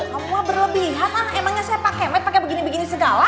kamu mah berlebihan emangnya saya pake mat pake begini begini segala